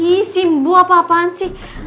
ih si mbok apa apaan sih